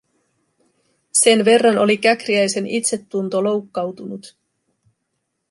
Sen verran oli Käkriäisen itsetunto loukkautunut.